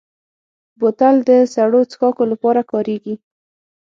بوتل د سړو څښاکو لپاره کارېږي.